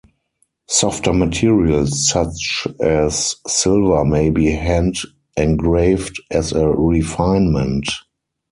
Softer materials such as silver may be hand engraved as a refinement.